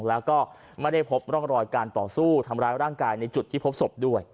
แล้วก็ไม่ได้พบร่องรอยการต่อสู้ทำร้ายร่างกายในจุดที่พบศพด้วย